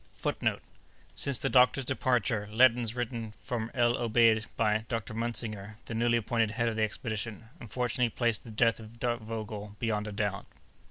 Since the doctor's departure, letters written from El'Obeid by Mr. Muntzinger, the newly appointed head of the expedition, unfortunately place the death of Vogel beyond a doubt.